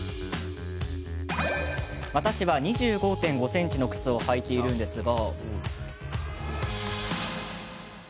私は２５．５ｃｍの靴を履いているのですが。